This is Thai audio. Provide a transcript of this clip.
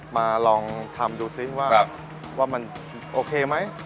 มาลองทำดูซิว่ามันโอเคไหม